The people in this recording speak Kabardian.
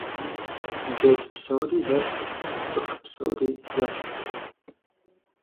Джэд псори зэщхьщ, цӀыху псори зэщхьщ.